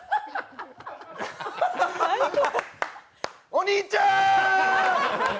お兄ちゃん！